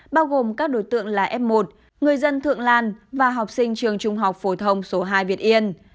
bao gồm các đối tượng là f một người dân thượng lan và học sinh trường trung học phổ thông số hai việt yên